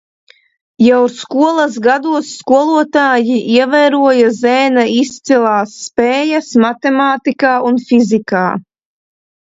Jau skolas gados skolotāji ievēroja zēna izcilās spējas matemātikā un fizikā.